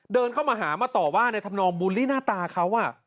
เดินเข้ามาหามาต่อว่าในธับนองบุรีหน้าตาเขาอะ